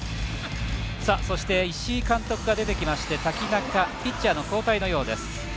そして、石井監督が出てきまして瀧中ピッチャーの交代のようです。